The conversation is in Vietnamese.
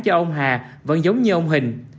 cho ông hà vẫn giống như ông hình